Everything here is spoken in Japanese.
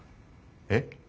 えっ？